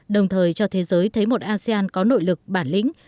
đồng thời cho thế giới thấy một asean có nội lực bản lĩnh